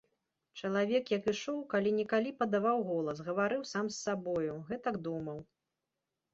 Чалавек, як ішоў, калі-нікалі падаваў голас, гаварыў сам з сабою, гэтак думаў.